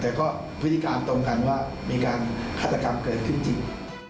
แต่ก็พฤติการตรงกันว่ามีการฆาตกรรมเกิดขึ้นจริง